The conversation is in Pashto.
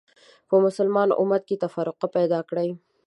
په مسلمان امت کې تفرقه پیدا کړې